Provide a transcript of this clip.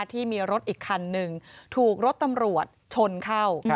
ที่มีรถอีกคันหนึ่งถูกรถตำรวจชนเข้า